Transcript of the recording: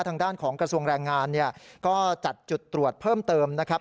ทางด้านของกระทรวงแรงงานเนี่ยก็จัดจุดตรวจเพิ่มเติมนะครับ